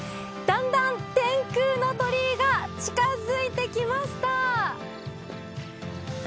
だんだん天空の鳥居が近づいてきました。